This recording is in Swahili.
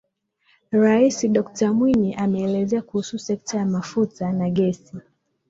Rais Dokta Mwinyi Ameelezea kuhusu sekta ya mafuta na gesi